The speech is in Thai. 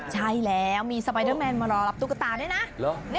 ใช่แล้วมีสไปเดอร์แมนมารอรับตุ๊กตาด้วยนะ